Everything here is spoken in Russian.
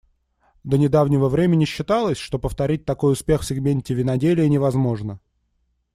До недавнего времени считалось, что повторить такой успех в сегменте виноделия невозможно.